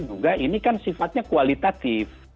juga ini kan sifatnya kualitatif